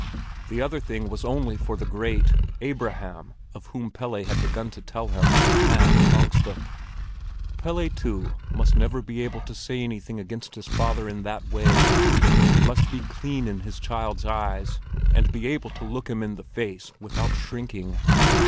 The other thing was only for the great—Abraham, of whom Pelle had begun to tell him, and Kongstrup. Pelle, too, must never be able to say anything against his father in that way; he must be clean in his child's eyes, and be able to look him in the face without shrinking.